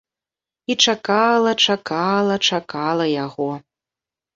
І чакала, чакала, чакала яго.